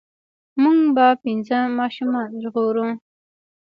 مونږ به پنځه ماشومان ژغورو.